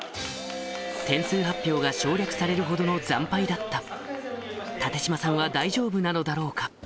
・点数発表が省略されるほどの惨敗だった立嶋さんは大丈夫なのだろうか？